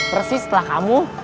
persis lah kamu